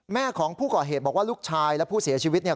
แม่ของผู้ก่อเหตุบอกว่าลูกชายและผู้เสียชีวิตเนี่ย